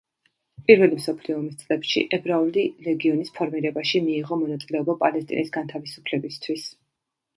პირველი მსოფლიო ომის წლებში ებრაული ლეგიონის ფორმირებაში მიიღო მონაწილება პალესტინის განთავისუფლებისთვის.